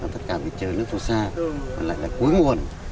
tất cả trở nước phù sa lại là cuối nguồn